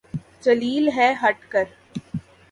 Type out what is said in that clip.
ذلیل ہے ہٹ کر